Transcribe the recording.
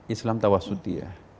islam tawasuti ya